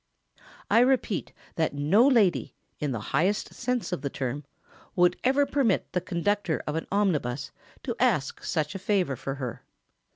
] I repeat that no lady, in the highest sense of the term, would ever permit the conductor of an omnibus to ask such a favour for her.